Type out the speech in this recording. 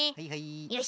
よし。